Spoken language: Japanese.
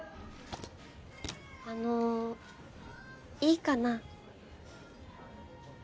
あのいいかな？